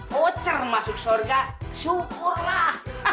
voucher masuk surga syukurlah